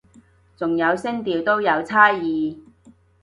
仲有聲調都有差異